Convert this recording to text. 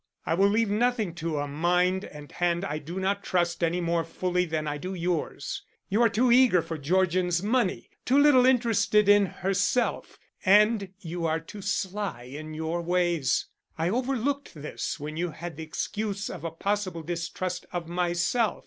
I will leave nothing to a mind and hand I do not trust any more fully than I do yours. You are too eager for Georgian's money; too little interested in herself; and you are too sly in your ways. I overlooked this when you had the excuse of a possible distrust of myself.